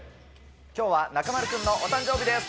きょうは中丸君のお誕生日です。